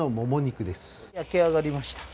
焼き上がりました。